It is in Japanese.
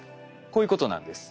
こういうことなんです。